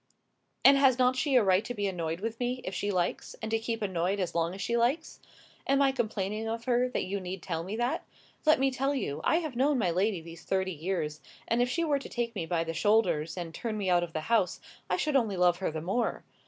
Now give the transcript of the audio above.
"And has not she a right to be annoyed with me, if she likes, and to keep annoyed as long as she likes? Am I complaining of her, that you need tell me that? Let me tell you, I have known my lady these thirty years; and if she were to take me by the shoulders, and turn me out of the house, I should only love her the more.